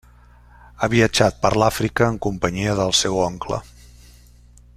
Ha viatjat per l'Àfrica en companyia del seu oncle.